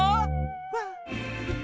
わっ。